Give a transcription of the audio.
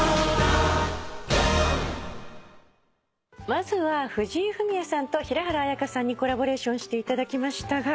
まずは藤井フミヤさんと平原綾香さんにコラボレーションしていただきましたが。